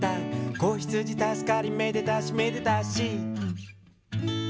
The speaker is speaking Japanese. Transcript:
「子ヒツジたすかりめでたしめでたし！」